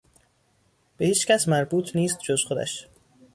به هیچکس مربوط نیست جز خودش.